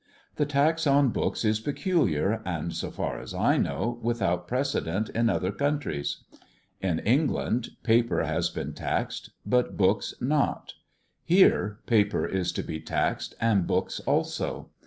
The tax on books is peculiar, and, so far as I know, without precedent in other countries. In England paper has been taxed, but books not ; here paper is to be taxed, and books too.